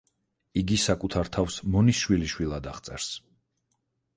იგი საკუთარ თავს მონის შვილიშვილად აღწერს.